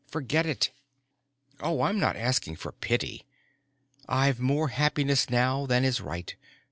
Forget it." "Oh, I'm not asking for pity. I've more happiness now than is right.